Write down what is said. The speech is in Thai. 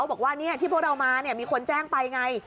บอกว่าเนี่ยที่พวกเรามาเนี่ยมีคนแจ้งไปไง